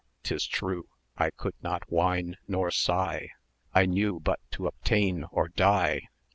'Tis true, I could not whine nor sigh, I knew but to obtain or die.